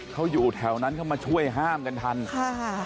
เขาอยู่แถวนั้นเข้ามาช่วยห้ามกันทันค่ะ